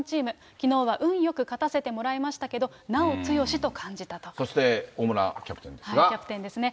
きのうは運よく勝たせてもらいましたけども、そして、大村キャプテンですキャプテンですね。